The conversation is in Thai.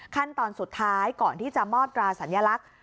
ขั้นตอนสุดท้ายก่อนที่จะมอบตราสัญลักษณ์